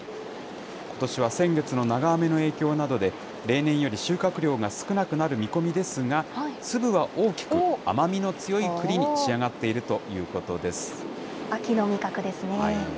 ことしは先月の長雨の影響などで、例年より収穫量が少なくなる見込みですが、粒は大きく、甘みの強いくりに仕上がっているということです。